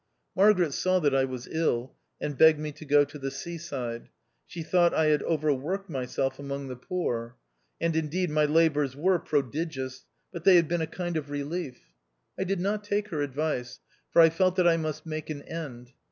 Margaret saw that I was ill, and begged me to go to the seaside. She thought I had overworked myself among the poor ; and, indeed, my labours were prodigious — but they had been a kind of relief. I did THE OUTCAST. 121 not take her advice, for I felt that I must make an end.